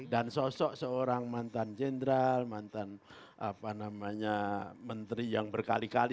dan sosok seorang mantan jenderal mantan menteri yang berkali kali